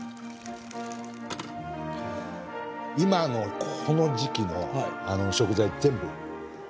今のこの時期の食材を全部。